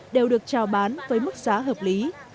đều được trào bán với mức giá hợp lý